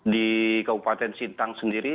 di kabupaten sintang sendiri